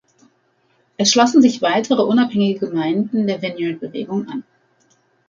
Es schlossen sich weitere unabhängige Gemeinden der Vineyard-Bewegung an.